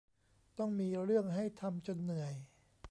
ต้องมีเรื่องให้ทำจนเหนื่อย